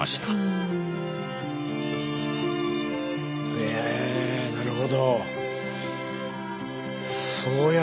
へえなるほど。